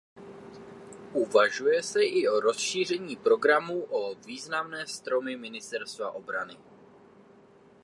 Uvažuje se i o rozšíření programu o Významné stromy ministerstva obrany.